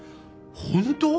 本当！？